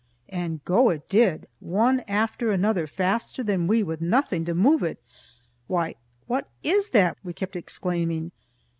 And go it did, one after another, faster than we, with nothing to move it. "Why, what is that?" we kept exclaiming.